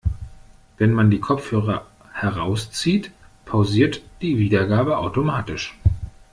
Wenn man die Kopfhörer herauszieht, pausiert die Wiedergabe automatisch.